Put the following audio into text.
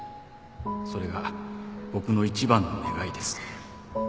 「それが僕の一番の願いです」